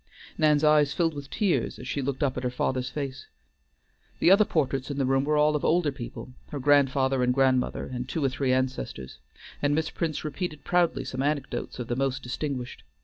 Nan's eyes filled with tears as she looked up at her father's face. The other portraits in the room were all of older people, her grandfather and grandmother and two or three ancestors, and Miss Prince repeated proudly some anecdotes of the most distinguished.